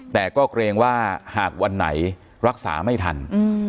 แต่ก็เกรงว่าหากวันไหนรักษาไม่ทัน